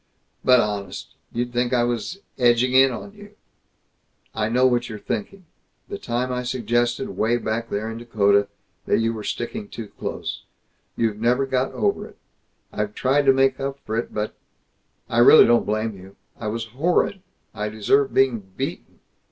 "But honest, you'd think I was edging in on you!" "I know what you are thinking. The time I suggested, way back there in Dakota, that you were sticking too close. You've never got over it. I've tried to make up for it, but I really don't blame you. I was horrid. I deserve being beaten.